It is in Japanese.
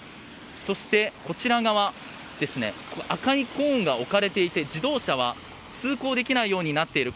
そして、こちら側赤いコーンが置かれていて自動車は通行できないようになっている。